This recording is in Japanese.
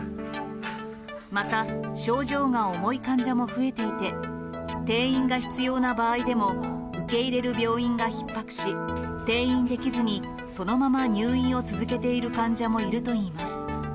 また、症状が重い患者も増えていて、転院が必要な場合でも、受け入れる病院がひっ迫し、転院できずにそのまま入院を続けている患者もいるといいます。